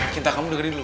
gita kamu dengerin dulu